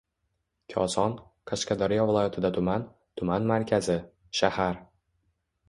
Koson – Qashqadaryo viloyatida tuman, tuman markazi, shahar.